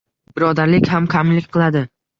Birodarlik ham kamlik qiladi.